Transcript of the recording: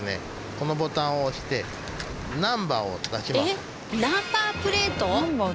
このボタンを押してナンバーを出します。